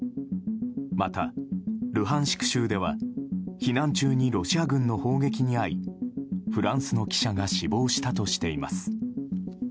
また、ルハンシク州では避難中にロシア軍の砲撃に遭いフランスの記者が死亡したとしています。